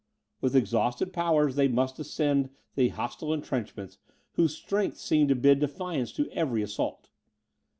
With exhausted powers they must ascend the hostile entrenchments, whose strength seemed to bid defiance to every assault.